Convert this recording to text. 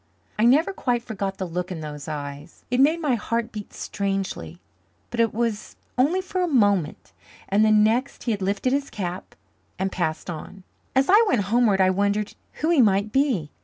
I never quite forgot the look in those eyes. It made my heart beat strangely, but it was only for a moment, and the next he had lifted his cap and passed on. As I went homeward I wondered who he might be.